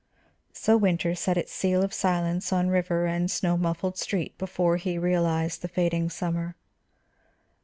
So winter set its seal of silence on river and snow muffled street before he realized the fading summer.